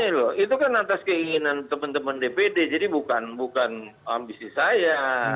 ini loh itu kan atas keinginan teman teman dpd jadi bukan ambisi saya